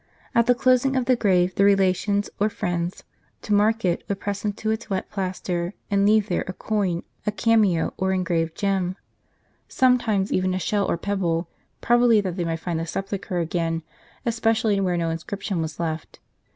At the closing of the grave, the relations or friends, to mark it, would press into its wet plaster, and leave there a coin, a cameo, or engraved gem, sometimes even a shell or pebble ; probably that they might find the sepulchre again, especially where no inscription was left.